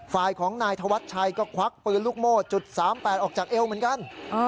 ฝ่ายของนายธวัชชัยก็ควักปืนลูกโม่จุด๓๘ออกจากเอวเหมือนกัน